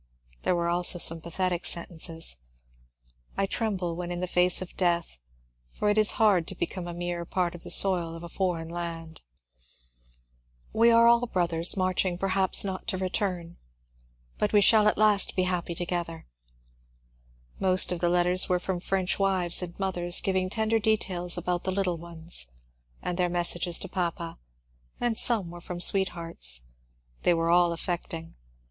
There were also some pathetic sentences. I tremble when in the face of death, for it is hard to become a mere part of the soil of a foreign land." ^ We are all brothers marching perhaps not to return, but we shall at last be happy THE HIGHROAD TO METZ 239 together." Most of the letters were from French wives and mothers giving tender details about the little ones, and their messages to papa, and some were from sweethearts. They were all affecting.